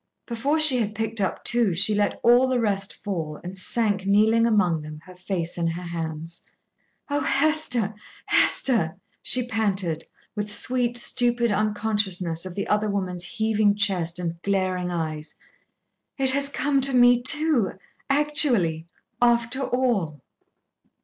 Before she had picked up two, she let all the rest fall, and sank kneeling among them, her face in her hands. "Oh, Hester, Hester!" she panted, with sweet, stupid unconciousness of the other woman's heaving chest and glaring eyes. "It has come to me too, actually, after all."